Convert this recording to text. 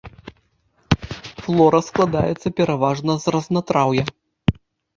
Флора складаецца пераважна з разнатраўя.